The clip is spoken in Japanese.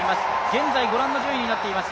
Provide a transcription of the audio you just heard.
現在、ご覧の順位になっています。